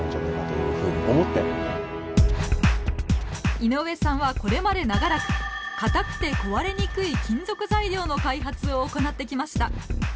井上さんはこれまで長らく硬くて壊れにくい金属材料の開発を行ってきました。